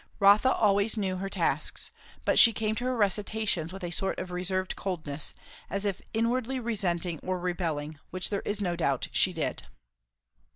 Rotha always knew her tasks, but she came to her recitations with a sort of reserved coldness, as if inwardly resenting or rebelling, which there is no doubt she did.